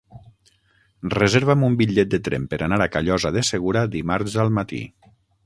Reserva'm un bitllet de tren per anar a Callosa de Segura dimarts al matí.